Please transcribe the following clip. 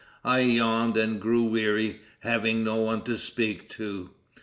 I yawned and grew weary, having no one to speak to."